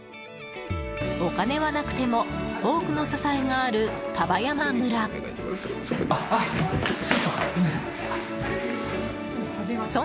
お金はなくても多くの支えがある丹波山村。